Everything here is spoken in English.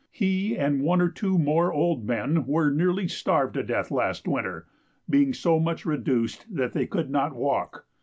He and one or two more old men were nearly starved to death last winter, being so much reduced that they could not walk.